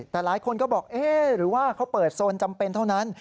แต่หลายคนก็บอกเอ๊ะหรือว่าเขาเปิดโซนจำเป็นเท่านั้น